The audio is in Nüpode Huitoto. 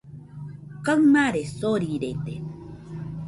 Kaɨmare sorirede.